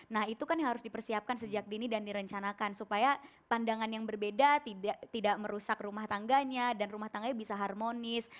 nah itu kan yang harus dipersiapkan sejak dini dan direncanakan supaya pandangan yang berbeda tidak merusak rumah tangganya dan rumah tangganya bisa harmonis